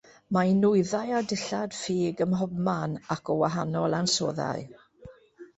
Mae nwyddau a dillad ffug ym mhobman ac o wahanol ansoddau.